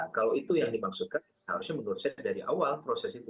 kalau itu yang dimaksudkan seharusnya menurut saya dari awal proses itu